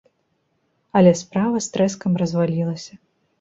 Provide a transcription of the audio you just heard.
Але справа з трэскам развалілася!